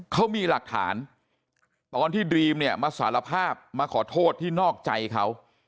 เขามีหลักฐานตอนที่ดรีมเนี่ยมาสารภาพมาขอโทษที่นอกใจเขา